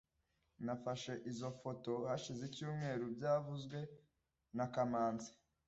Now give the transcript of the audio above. Nafashe izoi foto hashize icyumweru byavuzwe na kamanzi